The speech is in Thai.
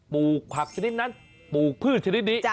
ลูกผักชนิดนั้นปลูกพืชชนิดนี้